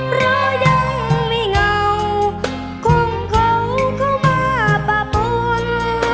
เพราะดังไม่เงาคงเขาเข้ามาปะปน